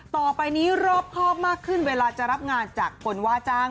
ต่อไปนี้รอบครอบมากขึ้นเวลาจะรับงานจากคนว่าจ้าง